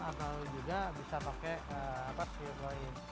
atau juga bisa pakai